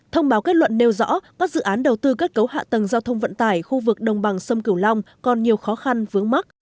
thông báo kết luận nêu rõ các dự án đầu tư kết cấu hạ tầng giao thông vận tải khu vực đồng bằng sông cửu long còn nhiều khó khăn vướng mắt